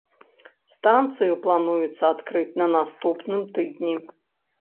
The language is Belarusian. Станцыю плануецца адкрыць на наступным тыдні.